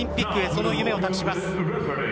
その夢を託します。